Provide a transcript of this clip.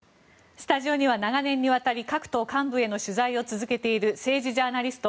スタジオには長年にわたり各党幹部への取材を続けている政治ジャーナリスト